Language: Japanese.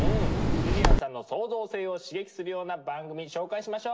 ゆりやんさんの創造性を刺激するような番組紹介しましょ。